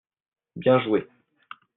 Bien jouer.